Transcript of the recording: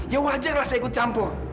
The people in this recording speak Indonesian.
ya wajarlah saya ikut campur